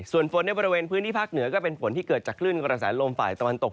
ส่วนฝนในบริเวณพื้นที่ภาคเหนือก็เป็นฝนที่เกิดจากคลื่นกระแสลมฝ่ายตะวันตก